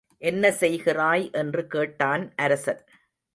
என்ன செய்கிறாய் என்று கேட்டான் அரசன்.